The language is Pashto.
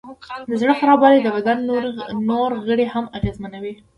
د زړه خرابوالی د بدن نور غړي هم اغېزمنوي.